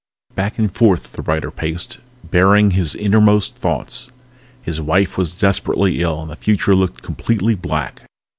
Back and forth the writer paced, baring his inmost thoughts ... His wife was desperately ill and the future looked completely black.